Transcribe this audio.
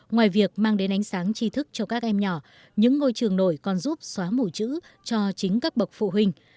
ngoài việc mang đến ánh sáng chi thức cho các em nhỏ những ngôi trường nổi còn giúp xóa mùi chữ cho chính các bậc phụ huynh